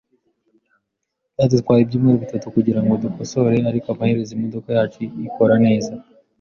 Byadutwaye ibyumweru bitatu kugirango dukosore, ariko amaherezo imodoka yacu ikora neza.